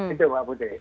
itu mbak putri